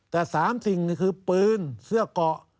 แต่๓สิ่งคือปืนเสื้อเกาะ